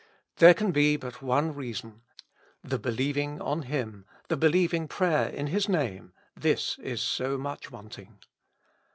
There can be but one rea son : the believing on Him, the believing prayer in His Name, this is so much wanting.